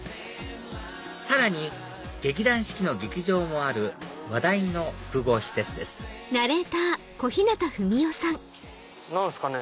さらに劇団四季の劇場もある話題の複合施設です何ですかね？